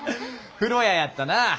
風呂屋やったな。